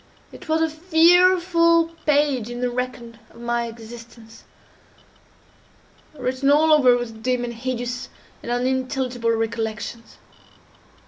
It was a fearful page in the record my existence, written all over with dim, and hideous, and unintelligible recollections.